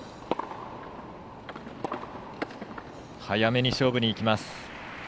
早めに勝負にいきます。